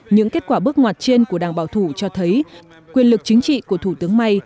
những kết quả bước ngoặt trên của đảng bảo thủ cho thấy quyền lực chính trị của thủ tướng may